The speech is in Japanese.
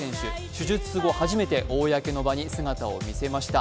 手術後初めて公の場に姿を見せました。